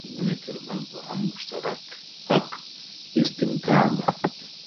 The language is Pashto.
د خاوند او ميرمني تر منځ دوهم مشترک حق - استمتاع ده